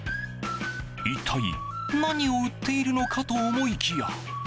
一体何を売ってるのかと思いきや。